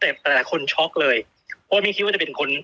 แต่หลายคนช็อกเลยเพราะว่าไม่คิดว่าจะเป็นคน